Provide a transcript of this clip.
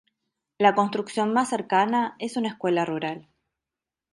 La construcción más cercana es una Escuela Rural.